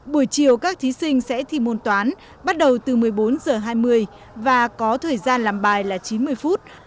buổi chiều các thí sinh sẽ thi môn toán bắt đầu từ một mươi bốn h hai mươi và có thời gian làm bài là chín mươi phút